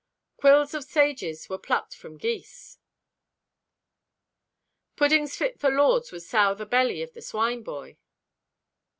"Quills of sages were plucked from geese." "Puddings fit for lords would sour the belly of the swineboy."